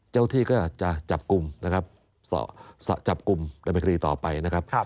เจ้าที่ก็จะจับกลุ่มนะครับจับกลุ่มดำเนินคดีต่อไปนะครับ